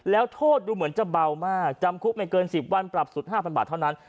แล้วโทษดูเหมือนจะเบามากจำคุกไม่เกิน๑๐วันปรับสุด๕๐๐บาทเท่านั้น